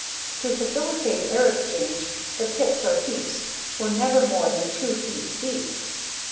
To facilitate air exchange, the pits or heaps were never more than two feet deep.